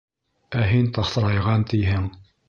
Ә һин таҫрайған тиһең?